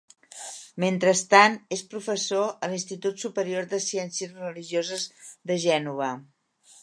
Mentrestant, és professor a l'Institut Superior de Ciències religioses de Gènova.